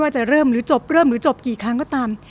จะเริ่มหรือจบเริ่มหรือจบกี่ครั้งก็ตาม